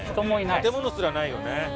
建物すらないよね。